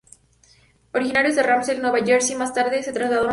Originarios de Ramsey, Nueva Jersey, más tarde se trasladaron a Nueva York.